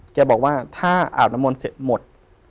แกบอกว่าถ้าอาบน้ำมนต์เสร็จหมด